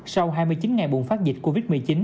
sau hai mươi chín ngày bùng phát dịch covid một mươi chín